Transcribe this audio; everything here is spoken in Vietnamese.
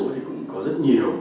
thì cũng có rất nhiều